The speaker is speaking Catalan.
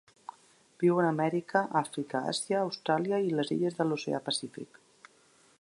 Viuen a Amèrica, Àfrica, Àsia, Austràlia i a les illes de l'oceà Pacífic.